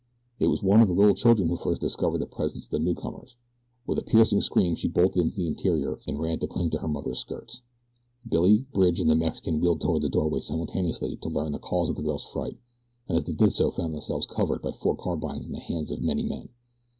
It was one of the little children who first discovered the presence of the newcomers. With a piercing scream she bolted into the interior and ran to cling to her mother's skirts. Billy, Bridge, and the Mexican wheeled toward the doorway simultaneously to learn the cause of the girl's fright, and as they did so found themselves covered by four carbines in the hands of as many men.